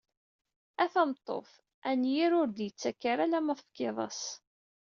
A tameṭṭut, anyir ur d-yettak ara alamma tefkiḍ-as.